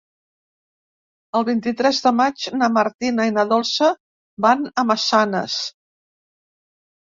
El vint-i-tres de maig na Martina i na Dolça van a Massanes.